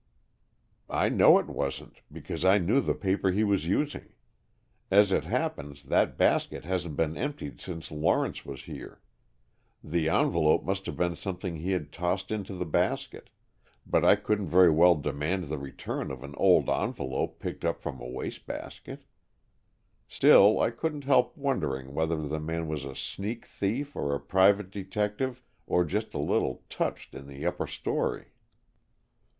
"I know it wasn't, because I knew the paper he was using. As it happens, that basket hasn't been emptied since Lawrence was here. The envelope must have been something he had tossed into the basket, but I couldn't very well demand the return of an old envelope picked up from a waste basket. Still, I couldn't help wondering whether the man was a sneak thief or a private detective or just a little touched in the upper story."